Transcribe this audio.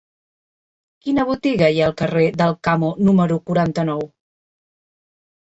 Quina botiga hi ha al carrer d'Alcamo número quaranta-nou?